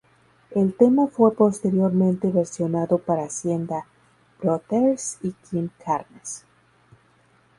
El tema fue posteriormente versionado por Hacienda Brothers y Kim Carnes.